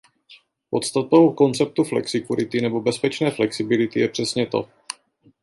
Podstatou konceptu flexikurity nebo bezpečné flexibility je přesně to.